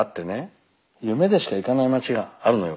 夢でしか行かない街があるのよ